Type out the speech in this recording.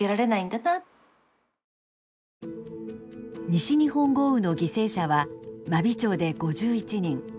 西日本豪雨の犠牲者は真備町で５１人。